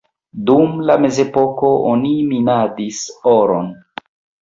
Dum la mezepoko oni minadis oron.